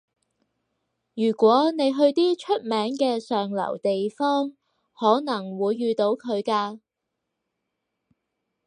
如果你去啲出名嘅上流地方，可能會遇到佢㗎